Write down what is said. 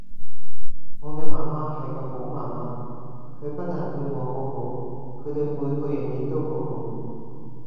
我嘅媽媽係個好媽媽，佢不但對我很好，佢對每個人也都很好